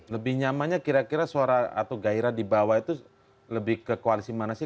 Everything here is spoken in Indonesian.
lebih nyamannya kira kira suara atau gairah di bawah itu lebih ke koalisi mana sih